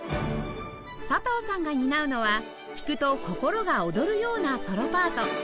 佐藤さんが担うのは聴くと心が踊るようなソロパート